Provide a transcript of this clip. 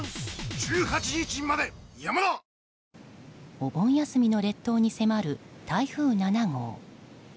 お盆休みの列島に迫る台風７号。